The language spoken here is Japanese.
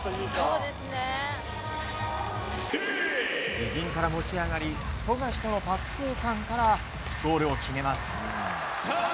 自陣から持ち上がり富樫とのパス交換からゴールを決めます。